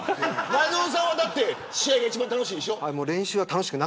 前園さんは試合が一番楽しいんでしょ。